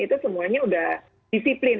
itu semuanya sudah disiplin